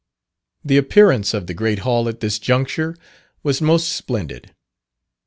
The appearance of the great hall at this juncture was most splendid.